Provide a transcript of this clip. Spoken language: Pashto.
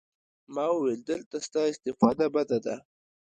ما وويل دلته ستا استفاده بده ده.